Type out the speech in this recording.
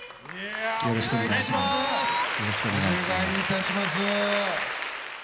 よろしくお願いします。